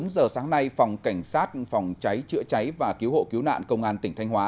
bốn giờ sáng nay phòng cảnh sát phòng cháy chữa cháy và cứu hộ cứu nạn công an tỉnh thanh hóa